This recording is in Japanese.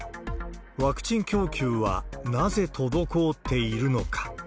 ワクチン供給はなぜ滞っているのか。